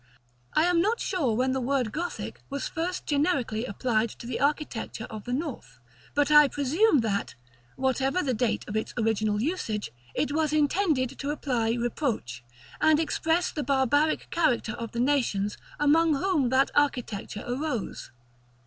I am not sure when the word "Gothic" was first generically applied to the architecture of the North; but I presume that, whatever the date of its original usage, it was intended to imply reproach, and express the barbaric character of the nations among whom that architecture arose.